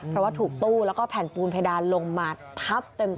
เพราะว่าถูกตู้แล้วก็แผ่นปูนเพดานลงมาทับเต็ม